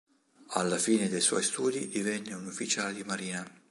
Alla fine dei suoi studi divenne un ufficiale di marina.